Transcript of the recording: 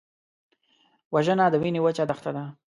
وژنه د وینې وچه دښته ده